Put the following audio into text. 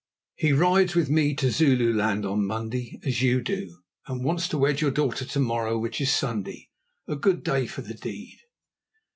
He rides with me to Zululand on Monday, as you do, and wants to wed your daughter to morrow, which is Sunday, a good day for the deed."